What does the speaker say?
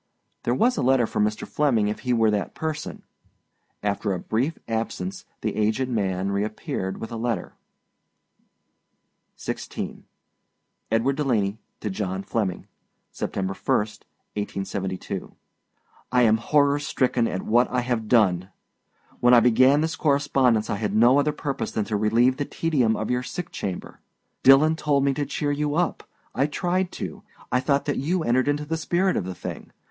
There was a letter for Mr. Flemming if he were that person. After a brief absence the aged man reappeared with a Letter. XVI. EDWARD DELANEY TO JOHN FLEMMING. September 1, 1872. I am horror stricken at what I have done! When I began this correspondence I had no other purpose than to relieve the tedium of your sick chamber. Dillon told me to cheer you up. I tried to. I thought that you entered into the spirit of the thing.